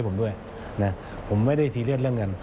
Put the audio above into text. ผมไม่ได้ซีเรียสเรื่องเงิน